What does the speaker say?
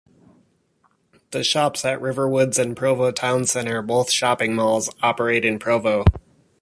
The Shops At Riverwoods and Provo Towne Centre, both shopping malls, operate in Provo.